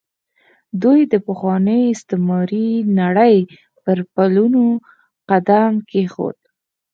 دوی د پخوانۍ استعماري نړۍ پر پلونو قدم کېښود.